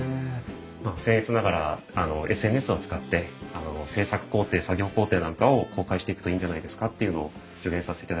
まあせん越ながらＳＮＳを使って制作工程作業工程なんかを公開していくといいんじゃないですかっていうのを助言させていただきました。